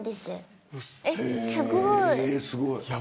すごい。